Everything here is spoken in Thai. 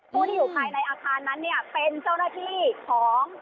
ผู้ที่อยู่ภายในอาคารนั้นเนี่ยเป็นเจ้าหน้าที่ของ